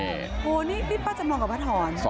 โอ้โหนี่ป้าจำนองกับป้าถอน